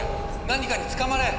何かにつかまれ！」。